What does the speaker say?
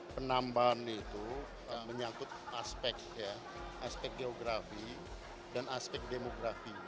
penambahan itu menyatuk aspek aspek geografi dan aspek demografi